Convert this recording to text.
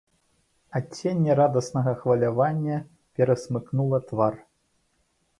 Адценне радаснага хвалявання перасмыкнула твар.